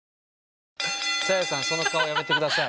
紗椰さんその顔はやめてください。